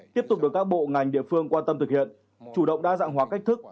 tiếp tục được các bộ ngành địa phương quan tâm thực hiện chủ động đa dạng hóa cách thức